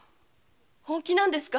本気なんですか？